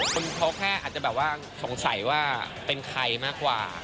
คุณเขาแค่อาจจะแบบว่าสงสัยว่าเป็นใครมากกว่า